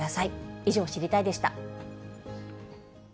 以上、知りたいッ！でした。